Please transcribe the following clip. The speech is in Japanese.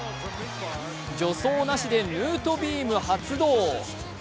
助走なしでヌートビーム発動。